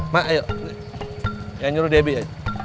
ma ayo yang nyuruh debbie